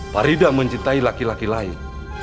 parida mencintai laki laki lain